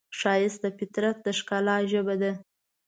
ښایست د فطرت د ښکلا ژبه ده